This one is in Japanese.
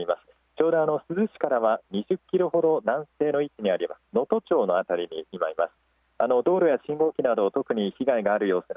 ちょうど珠洲市からは２０キロほど南西の位置にあり能登町の辺りに今、います。